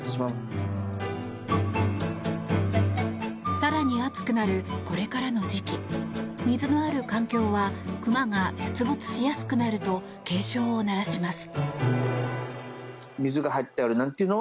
更に暑くなるこれからの時期水のある環境は熊が出没しやすくなると警鐘を鳴らします。